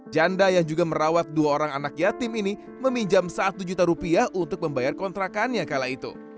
janda yang juga merawat dua orang anak yatim ini meminjam satu juta rupiah untuk membayar kontrakannya kala itu